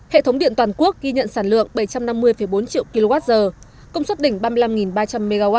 hệ thống điện toàn quốc ghi nhận sản lượng bảy trăm năm mươi bốn triệu kwh công suất đỉnh ba mươi năm ba trăm linh mw